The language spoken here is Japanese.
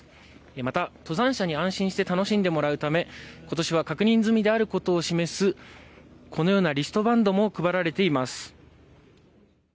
また、登山者に安心して楽しんでもらうためことしは確認済みであることを示すこのようなリストバンドも配られています。